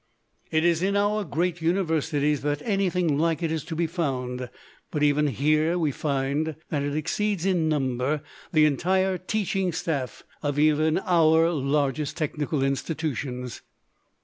It is in our great universities that anything like it is to be found, but even here we find that it exceeds in number the entire teaching staff of even our largest technical institutions.